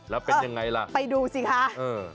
แล้วเป็นยังไงล่ะไปดูสิคะเออ